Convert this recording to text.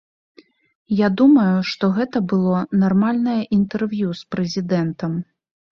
Я думаю, што гэта было нармальнае інтэрв'ю з прэзідэнтам.